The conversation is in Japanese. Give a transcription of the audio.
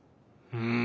うん。